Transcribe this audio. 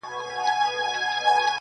میکده کي به له ډکه جامه ولاړ سم,